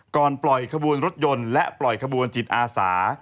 ก่อนปล่อยขบวนรถยนต์และปล่อยขบวนจิตอาสา